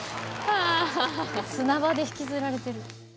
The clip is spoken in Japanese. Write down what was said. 砂場で引きずられてる。